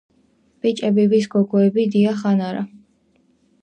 ბიჭები ვს გოგოები დიახ ან არა